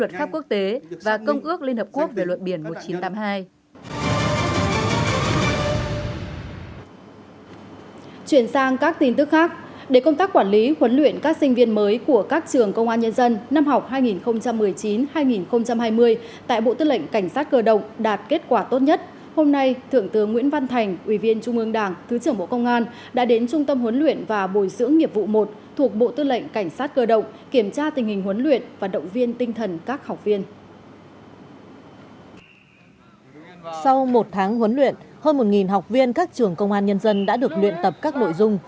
sau một tháng huấn luyện hơn một học viên các trường công an nhân dân đã được luyện tập các nội dung